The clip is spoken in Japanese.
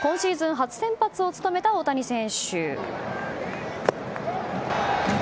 初先発を務めた大谷選手。